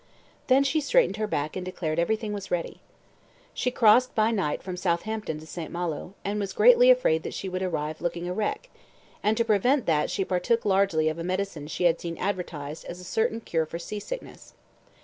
Then she straightened her back and declared everything was ready. She crossed by night from Southampton to St. Malo, and was greatly afraid that she would arrive "looking a wreck," and, to prevent that she partook largely of a medicine she had seen advertised as a "certain cure for sea sickness."